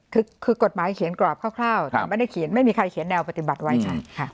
คือกฎหมายเขียนกรอบคร่าวแต่ไม่ได้เขียนไม่มีใครเขียนแนวปฏิบัติไว้ใช่ค่ะ